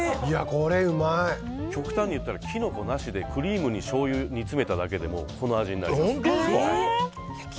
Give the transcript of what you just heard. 極端にいったらキノコなしでクリームにしょうゆを煮詰めただけでもこの味になります。